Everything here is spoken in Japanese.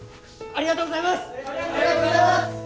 ありがとうございます！